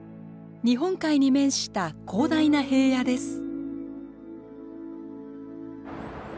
日本海に面した広大な平野です。